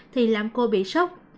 thì làm cô bị sốc